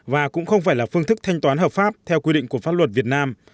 và cũng không phải là phương thức thanh toán hợp pháp theo quy định của pháp luật việt nam